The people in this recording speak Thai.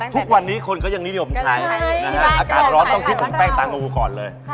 ทุกวันนี้คนก็ยังนิดเดียวมันใช้อากาศร้อนต้องคิดของแป้งต่างกว่าก่อนเลย